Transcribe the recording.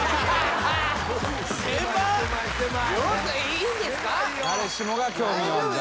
いいんですか？